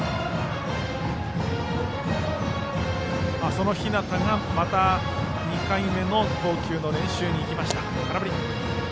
その日當がまた２回目の投球練習に行きました。